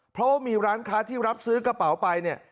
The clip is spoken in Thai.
เพราะว่ามีร้านค้าที่รับซื้อกระเป๋าไปเนี่ย